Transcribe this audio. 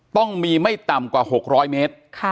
ต้องมีไม่ต่ำกว่า๖๐๐เมตร